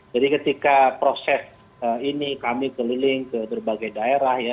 jadi ketika proses ini kami keliling ke berbagai daerah ya